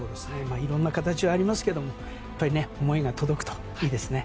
いろんな形はありますが思いが届くといいですね。